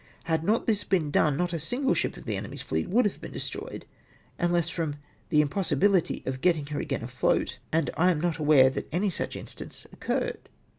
Had not this been done, not a single ship of the enemy's fleet would have been destroyed, unless from the im possibility of getting her again afloat, and I am not aware that any such instance occurred.